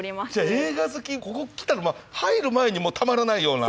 じゃあ映画好きここ来たら入る前にもうたまらないような。